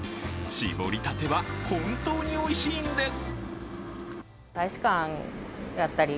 搾りたては本当においしいんです。